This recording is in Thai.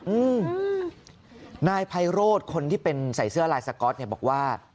อืมนายไพโรธคนที่เป็นใส่เสื้อลายสก๊อตเนี่ยบอกว่า